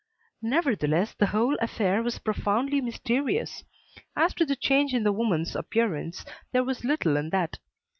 Nevertheless, the whole affair was profoundly mysterious. As to the change in the woman's appearance, there was little in that.